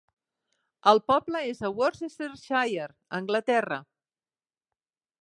El poble és a Worcestershire, Anglaterra.